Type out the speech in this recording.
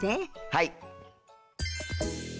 はい。